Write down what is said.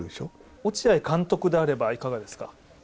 落合監督であればいかがですか？